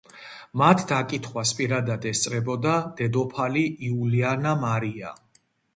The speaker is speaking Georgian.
მათ დაკითხვას პირადად ესწრებოდა დედოფალი იულიანა მარია.